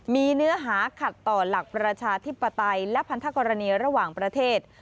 มีเนื้อหาขัดต่อหลักประชาธิปไตยและพันธกรณีระหว่างประเทศ